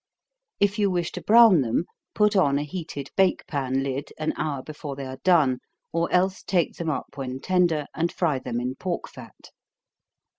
If you wish to brown them, put on a heated bake pan lid, an hour before they are done, or else take them up when tender, and fry them in pork fat.